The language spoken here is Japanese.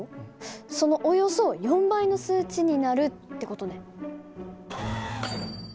そのおよそ４倍の数値になるって事ね。